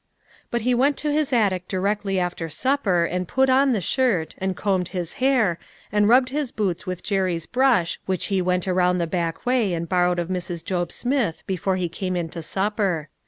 But he went to his attic directly after supper and put on the shirt, and combed his hair, and rubbed his boots with Jerry's brush which he went around the back way and borrowed of Mrs. Job Smith before he came in to supper.